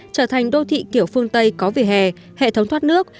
trở thành đô thị kiểu phương tây có vỉa hè hệ thống thoát nước